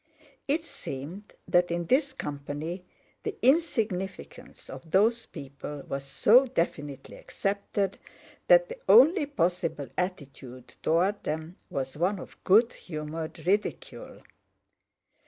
It seemed that in this company the insignificance of those people was so definitely accepted that the only possible attitude toward them was one of good humored ridicule.